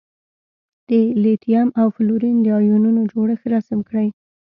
د لیتیم او فلورین د ایونونو جوړښت رسم کړئ.